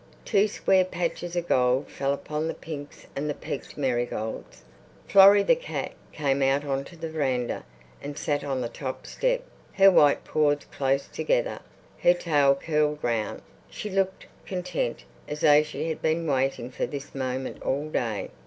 Two square patches of gold fell upon the pinks and the peaked marigolds. Florrie, the cat, came out on to the veranda, and sat on the top step, her white paws close together, her tail curled round. She looked content, as though she had been waiting for this moment all day.